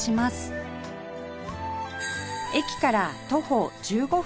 駅から徒歩１５分